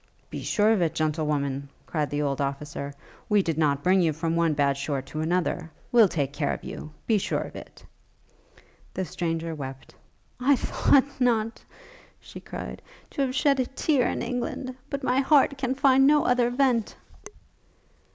'Be sure of it, Gentlewoman!' cried the old officer; 'We did not bring you from one bad shore to another. We'll take care of you. Be sure of it!' The stranger wept. 'I thought not,' she cried, 'to have shed a tear in England; but my heart can find no other vent.'